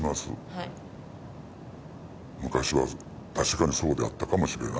はい昔は確かにそうであったかもしれない